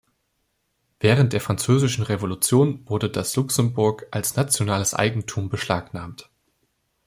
Während der Französischen Revolution wurde das Luxembourg als „nationales Eigentum“ beschlagnahmt.